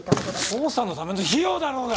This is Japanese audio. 捜査のための費用だろうが！